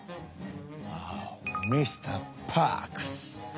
おおミスターパークス。